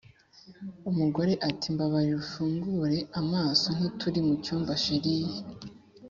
umugore ati"mbabarira ufungure amaso ntituri mu cyumba sheriiiiiiiiiiiiiii".